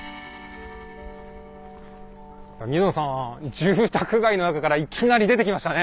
住宅街の中からいきなり出てきましたね。